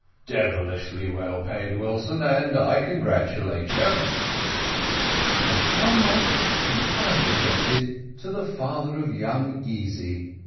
"Devilish well paid, Wilson, and I congratulate you." "For how much am I indebted to the father of young Easy!"